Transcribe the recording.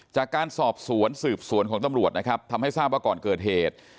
จากการสอบสวนสืบสวนของตำรวจนะครับทำให้ทราบว่าก่อนเกิดเหตุ